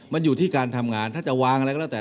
มันอยู่ที่การทำงานถ้าจะวางอะไรก็แล้วแต่